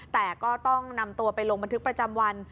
แต่ก็ต้องนำตัวไปลงบันทึกประจำวัน